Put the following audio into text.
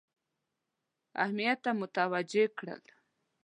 اهمیت ته متوجه کړل.